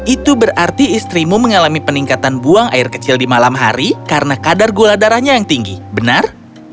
itu berarti istrimu mengalami peningkatan buang air kecil di malam hari karena kadar gula darahnya yang tinggi benar